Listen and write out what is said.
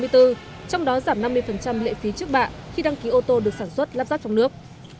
trong đó giảm năm mươi lệ phí trước bạ khi đăng ký ô tô được sản xuất lắp ráp trong nước